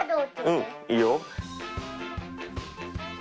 うんいいよ！